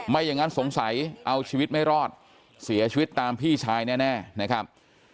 ไม่อย่างนั้นสงสัยเอาชีวิตไม่รอดเสียชีวิตตามพี่ชายแน่นะครับ